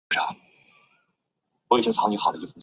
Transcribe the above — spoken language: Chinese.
乡政府驻地在下宫村。